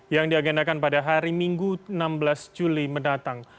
yang diagendakan pada hari minggu enam belas juli mendatang